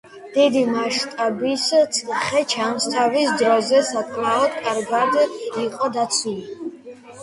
დიდი მასშტაბის ციხე, ჩანს, თავის დროზე საკმაოდ კარგად იყო დაცული.